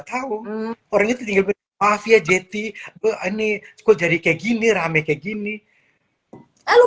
tahu orangnya tinggal berbahagia jt beani school jadi kayak gini rame kayak gini lu